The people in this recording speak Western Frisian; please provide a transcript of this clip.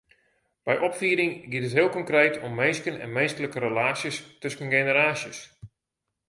By opfieding giet it heel konkreet om minsken en minsklike relaasjes tusken generaasjes.